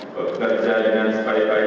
bekerja dengan sepaya paya